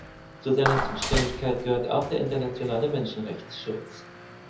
Zu seiner Zuständigkeit gehört auch der internationale Menschenrechtsschutz.